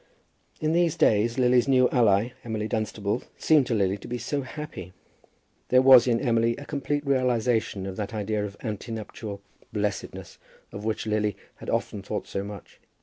In these days Lily's new ally, Emily Dunstable, seemed to Lily to be so happy! There was in Emily a complete realization of that idea of ante nuptial blessedness of which Lily had often thought so much.